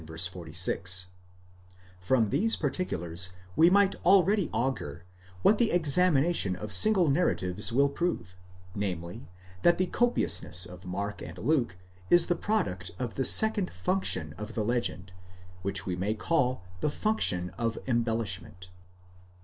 _ From these particulars we might already augur, what the examination of single narratives will prove > namely, that the copiousness of Mark and Luke is the product of the second function of the legend, which we may call the function of embellishment.